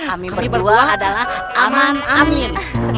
amin berdua adalah aman amin